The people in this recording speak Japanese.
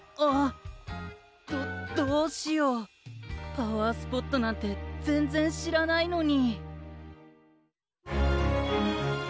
パワースポットなんてぜんぜんしらないのに。